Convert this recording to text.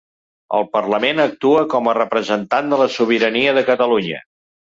El parlament ‘actua com a representant de la sobirania de Catalunya’.